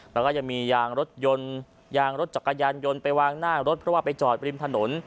แล้วก็ยังมียางรถยนต์ยางรถจักรยานยนต์ไปวางหน้ารถเพราะว่าไปจอดริมถนน